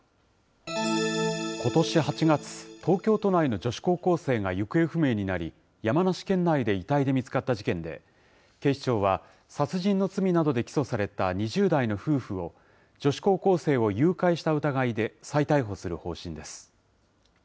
ことし８月、東京都内の女子高校生が行方不明になり、山梨県内で遺体で見つかった事件で、警視庁は殺人の罪などで起訴された２０代の夫婦を、女子高校生を誘拐した疑いで再逮捕する方針です。